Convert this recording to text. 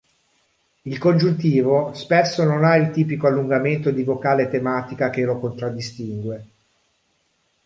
Il congiuntivo spesso non ha il tipico allungamento di vocale tematica che lo contraddistingue.